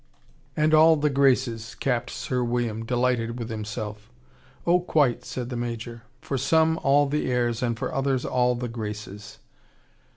"And all the graces," capped Sir William, delighted with himself. "Oh, quite!" said the Major. "For some, all the airs, and for others, all the graces."